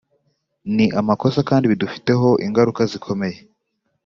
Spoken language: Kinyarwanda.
ni amakosa kandi bidufiteho ingaruka zikomeye